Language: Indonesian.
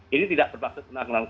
ini tidak berpaksa sebenarnya